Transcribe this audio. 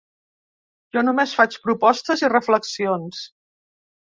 Jo només faig propostes i reflexions.